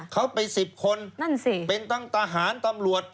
เขาไปสิบคนเป็นตั้งทหารตำรวจ